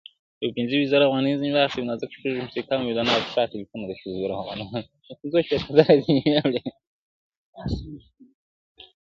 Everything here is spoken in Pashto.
ښار کرار کړي له دې هري شپې یرغله-